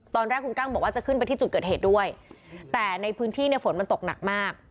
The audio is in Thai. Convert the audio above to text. ตอนแรกคุณกั้งบอกว่าจะขึ้นไปที่จุดเกิดเหตุด้วยแต่ในพื้นที่เนี่ยฝนมันตกหนักมาก